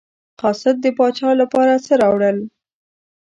قاصد د پاچا لپاره څه راوړل.